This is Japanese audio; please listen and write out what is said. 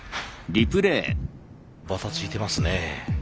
ばたついてますね。